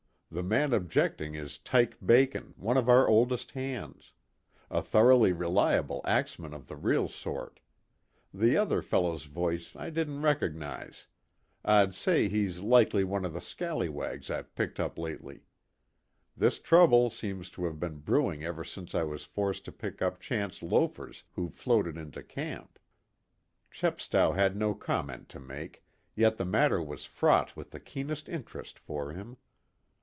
The man objecting is 'Tyke' Bacon, one of our oldest hands. A thoroughly reliable axeman of the real sort. The other fellow's voice I didn't recognize. I'd say he's likely one of the scallywags I've picked up lately. This trouble seems to have been brewing ever since I was forced to pick up chance loafers who floated into camp." Chepstow had no comment to make, yet the matter was fraught with the keenest interest for him.